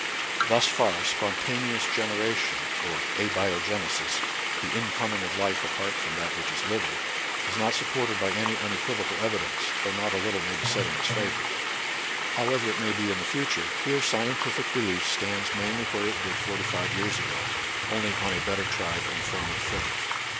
Thus far, spontaneous generation, or abiogenesis, — the incoming of life apart from that which is living, — is not supported by any unequivocal evidence, though not a little may be said in its favor. However it may be in the future, here scientific belief stands mainly where it did forty five years ago, only on a better tried and firmer footing.